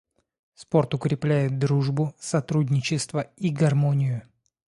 Спорт укрепляет дружбу, сотрудничество и гармонию.